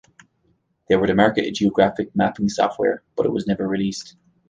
They were to market a geographic mapping software, but it was never released.